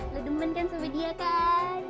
udah demen kan sama dia kan